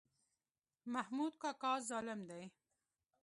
محمود کاکا ظالم دی.